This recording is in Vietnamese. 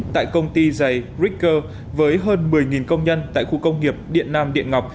tại công ty giày ricker với hơn một mươi công nhân tại khu công nghiệp điện nam điện ngọc